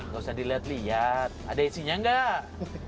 gak usah dilihat lihat ada isinya nggak